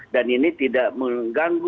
dan ini tidak mengganggu